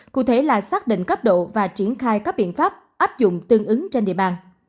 cụ thể là xác định cấp độ và triển khai các biện pháp áp dụng tương ứng trên địa bàn